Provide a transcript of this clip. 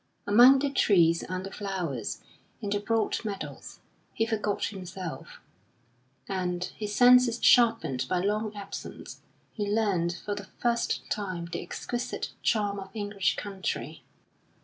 Among the trees and the flowers, in the broad meadows, he forgot himself; and, his senses sharpened by long absence, he learnt for the first time the exquisite charm of English country.